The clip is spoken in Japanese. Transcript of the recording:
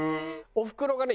おふくろがね